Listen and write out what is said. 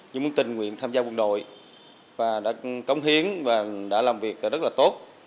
nhưng muốn tình nguyện tham gia quân đội và đã cống hiến và đã làm việc rất là tốt